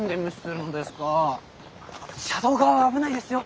車道側は危ないですよ。